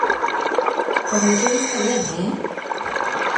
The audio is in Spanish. por lo que he visto bien, ¿ eh?